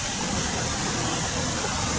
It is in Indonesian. hari ini saya akan menjelajahkan